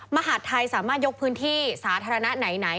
มหาดไทยสามารถยกพื้นที่สาธารณะไหน